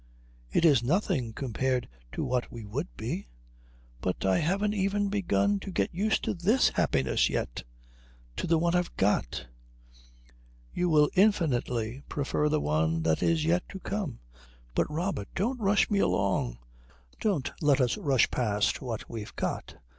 "It is nothing compared to what we would be." "But I haven't even begun to get used to this happiness yet to the one I've got." "You will infinitely prefer the one that is yet to come." "But Robert don't rush me along. Don't let us rush past what we've got.